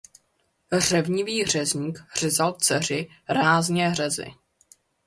Řevnivý řezník řezal dceři rázně řezy.